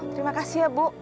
terima kasih ya bu